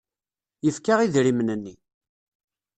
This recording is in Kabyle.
Yefka idrimen-nni.